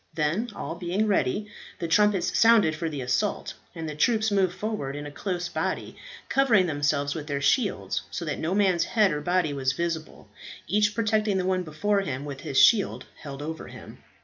Then, all being ready, the trumpets sounded for the assault, and the troops moved forward in a close body, covering themselves with their shields so that no man's head or body was visible, each protecting the one before him with his shield held over him.